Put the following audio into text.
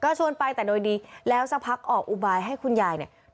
ชวนไปแต่โดยดีแล้วสักพักออกอุบายให้คุณยายเนี่ย